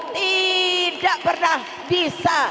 tidak pernah bisa